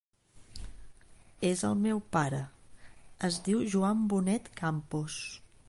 És el meu pare, es diu Joan Bonet Campos.